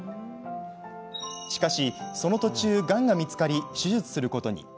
しかし、その途中がんが見つかり手術することに。